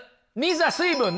水分ね。